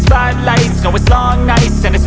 ibu mau tanya sama nunik